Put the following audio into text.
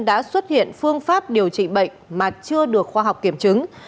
đã xuất hiện phương pháp điều trị bệnh mà chưa được khoa học kiểm chứng